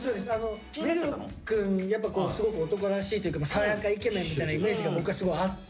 めめくんやっぱすごく男らしいというか爽やかイケメンみたいなイメージが僕はすごいあって。